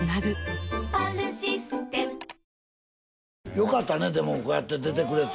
よかったねでもこうやって出てくれて。